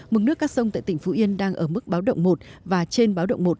mực nước các sông tại tỉnh phú yên đang ở mức báo động một và trên báo động một